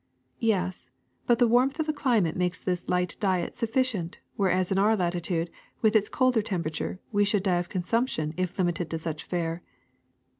Yes; but the warmth of the climate makes this light diet sufficient, whereas in our latitude, with its colder temperature, we should die of consumption if limited to such fare."